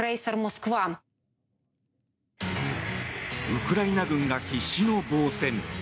ウクライナ軍が必死の防戦。